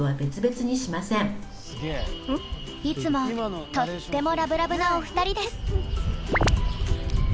いつもとってもラブラブなお二人です。